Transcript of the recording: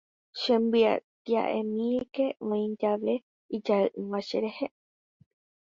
Chembyetia'emíke oĩ jave ijae'ỹva cherehe.